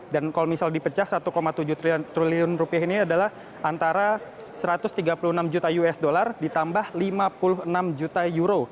dan kalau misal dipecah satu tujuh triliun rupiah ini adalah antara satu ratus tiga puluh enam juta usd ditambah lima puluh enam juta euro